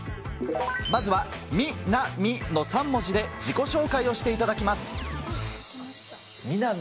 まずはみなみの３文字で自己紹介をしていただきます。